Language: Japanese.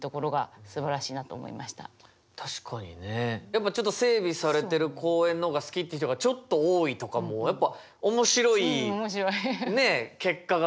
やっぱちょっと整備されてる公園の方が好きっていう人がちょっと多いとかもやっぱ面白いね結果が出てたり。